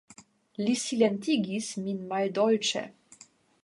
Li silentigis min maldolĉe.